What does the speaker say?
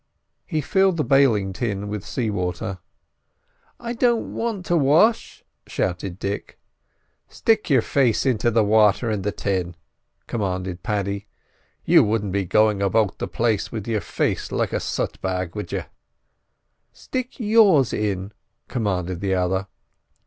He filled the bailing tin with sea water. "I don't want to wash!" shouted Dick. "Stick your face into the water in the tin," commanded Paddy. "You wouldn't be going about the place with your face like a sut bag, would you?" "Stick yours in!" commanded the other.